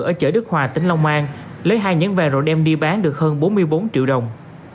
ở chợ đức hòa tỉnh long an lấy hai nhẫn về rồi đem đi bán được hơn bốn mươi bốn triệu đồng